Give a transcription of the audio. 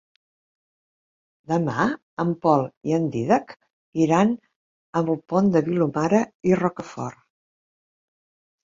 Demà en Pol i en Dídac iran al Pont de Vilomara i Rocafort.